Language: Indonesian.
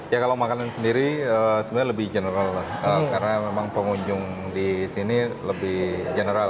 ya kalau makanan sendiri sebenarnya lebih general lah karena memang pengunjung di sini lebih general